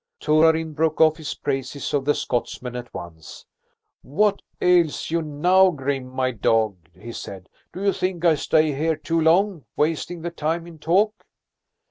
Torarin broke off his praises of the Scotsmen at once. "What ails you now, Grim, my dog?" he said. "Do you think I stay here too long, wasting the time in talk?"